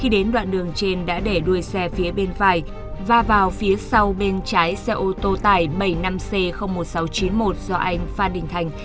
khi đến đoạn đường trên đã để đuôi xe phía bên phải và vào phía sau bên trái xe ô tô tải bảy mươi năm c một nghìn sáu trăm chín mươi một do anh phan đình thành